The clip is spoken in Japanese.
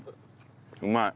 うまい。